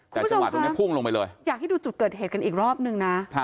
แต่จังหวะตรงนี้พุ่งลงไปเลยอยากให้ดูจุดเกิดเหตุกันอีกรอบนึงนะ